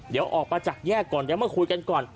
เดี๋ยวออกมาจากแยกก่อนเดี๋ยวมาคุยกันก่อน